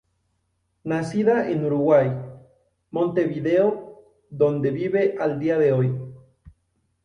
Nacida en Uruguay, Montevideo donde vive al dia de hoy.